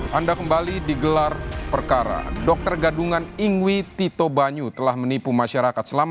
hai anda kembali di gelar perkara dokter gadungan ingwi tito banyu telah menipu masyarakat selama